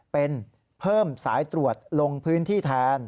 เป็นเพิ่มสายตรวจลงพื้นที่แทน